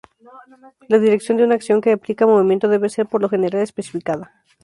La dirección de una acción que implica movimiento debe ser, por lo general, especificada.